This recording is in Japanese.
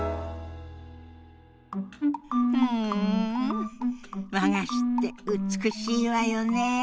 うん和菓子って美しいわよね。